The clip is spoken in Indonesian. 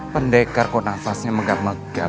pendekar kok nafasnya megat megat